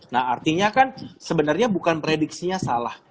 nah artinya kan sebenarnya bukan prediksinya salah